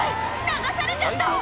流されちゃった！